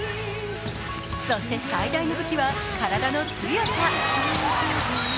そして最大の武器は体の強さ。